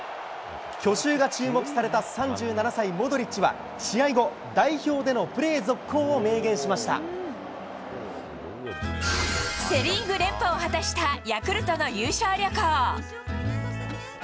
去就が注目された３７歳、モドリッチは、試合後、代表でのプレーセ・リーグ連覇を果たしたヤクルトの優勝旅行。